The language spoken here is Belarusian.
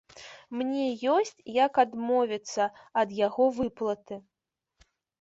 Мне ёсць як адмовіцца ад яго выплаты.